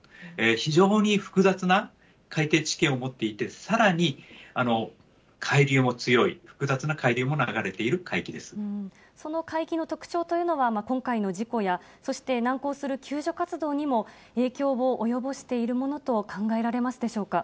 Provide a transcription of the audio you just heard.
非常に複雑な海底地形を持っていて、さらに海流も強い、その海域の特徴というのは、今回の事故や、そして難航する救助活動にも影響を及ぼしているものと考えられますでしょうか。